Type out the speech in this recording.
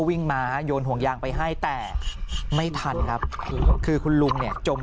วิ่งมาโยนห่วงยางไปให้แต่ไม่ทันครับคือคุณลุงเนี่ยจม